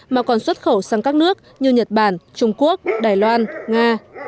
mà còn xuất khẩu sang các nước như nhật bản trung quốc đài loan nga